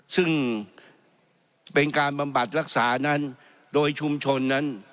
ซึ่งเป็นการบำบัดรักษานั้นโดยชุมชนนั้น